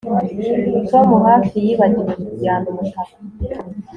Tom hafi yibagiwe kujyana umutaka